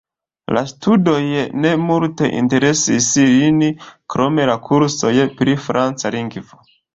La studoj ne multe interesis lin krom la kursoj pri franca lingvo.